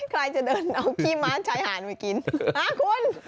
ใครจะเดินเอาขี้ม้าชายหาดมากินคุณ